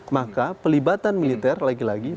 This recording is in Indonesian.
maka pelibatan militer lagi lagi